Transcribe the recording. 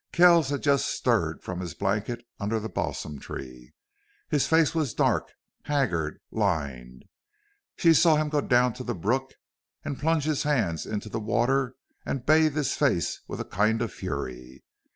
Kells had just stirred from his blanket under the balsam tree. His face was dark, haggard, lined. She saw him go down to the brook and plunge his hands into the water and bathe his face with a kind of fury.